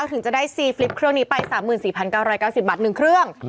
ถึงจะได้ซีฟลิปเครื่องนี้ไป๓๔๙๙๐บาท๑เครื่อง